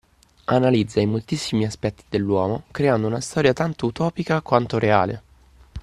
Analizza i moltissimi aspetti dell'uomo creando una storia tanto utopica quanto reale.